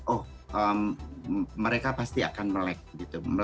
oh mereka pasti akan melek gitu